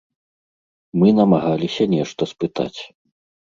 Мы намагаліся нешта спытаць.